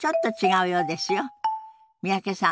三宅さん